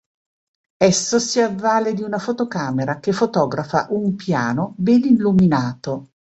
Esso si avvale di una fotocamera che fotografa un piano ben illuminato.